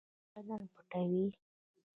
جامې بدن پټوي